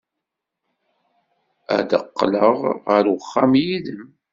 Ad d-qqleɣ ɣer uxxam yid-m.